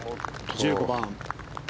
１５番。